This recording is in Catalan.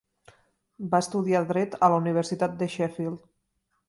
Va estudiar Dret a la Universitat de Sheffield.